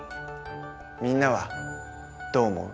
みんなはどう思う？